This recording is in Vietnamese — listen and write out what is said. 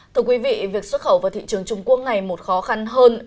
thưa quý vị việc xuất khẩu vào thị trường trung quốc ngày một khó khăn hơn